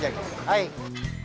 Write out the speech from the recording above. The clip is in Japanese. はい。